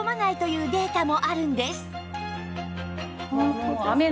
うん。